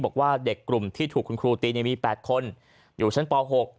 บอกว่าเด็กกลุ่มที่ถูกคุณครูตีมี๘คนอยู่ชั้นป๖